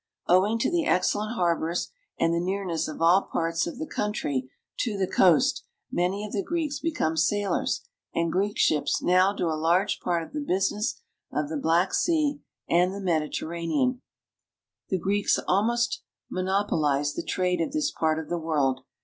Owing to the excellent harbors and the nearness of all parts of the coun try to the coast, many of the Greeks become sailors, and Greek ships now do a large part of the business of the Black Sea and the Mediterranean Sea. The Greeks almost monopolize the trade of this part of the world.